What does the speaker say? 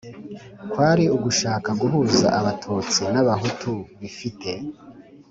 kwari ugushaka guhuza abatutsi n' abahutu bifite,